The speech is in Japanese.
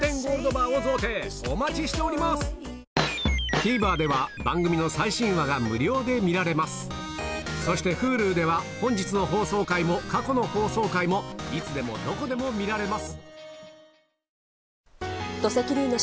ＴＶｅｒでは番組の最新話が無料で見られますそしてＨｕｌｕでは本日の放送回も過去の放送回もいつでもどこでも見られます